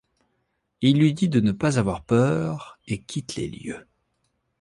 Il lui dit de ne pas avoir peur et quitte les lieux.